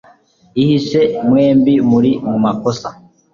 ihishe mwembi muri mumakosa